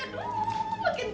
aduh makin gatel